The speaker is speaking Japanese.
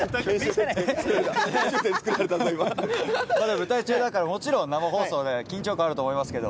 舞台中だからもちろん生放送で緊張感あると思いますけど。